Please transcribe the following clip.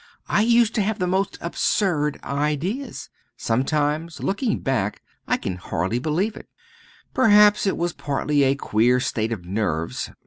I used to have the most absurd ideas! sometimes looking back I can hardly believe it perhaps it was partly a queer state of nerves.